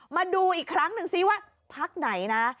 มาดูอีกครั้งหนึ่งซิว่าพักไหนนะ